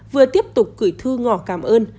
vừa tiếp tục cử thư ngỏ cảm ơn